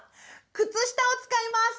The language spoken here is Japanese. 靴下を使います！